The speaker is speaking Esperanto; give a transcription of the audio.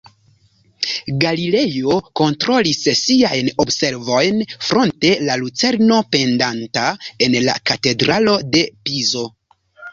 Galilejo kontrolis siajn observojn fronte la lucerno pendanta en la Katedralo de Pizo.